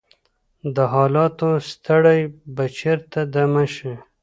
د حالاتو ستړی به چیرته دمه شي؟